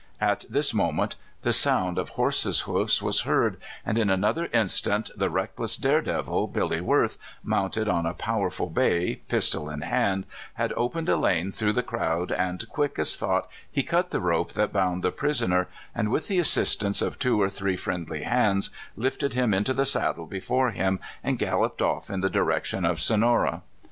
At this moment the sound of horse's hoofs was heard, and in another instant the reckless dare devil, Billy Worth, mounted on a powerful bay, pistol in hand, had opened a lane through the crowd, and quick as thought he cut the rope that bound the prisoner, and, wdth the assistance of two or three friendly hands, lifted him into the saddle before him, and galloped off in the direction of Sonora.